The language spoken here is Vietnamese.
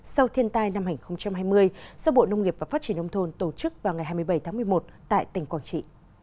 sau thiên tai năm hai nghìn hai mươi do bộ nông nghiệp và phát triển nông thôn tổ chức vào ngày hai mươi bảy tháng một mươi một tại tỉnh quảng trị